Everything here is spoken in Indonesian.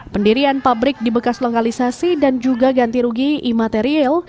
pendirian pabrik dibekas lokalisasi dan juga ganti rugi imateriel